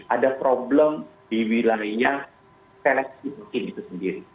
ada problem di wilayah seleksi pekin itu sendiri